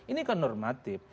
ini kan normatif